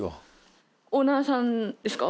オーナーさんですか？